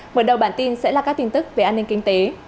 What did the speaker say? mở đầu bản tin sẽ là các tin tức về an ninh kinh tế